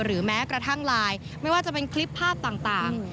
แม้กระทั่งไลน์ไม่ว่าจะเป็นคลิปภาพต่าง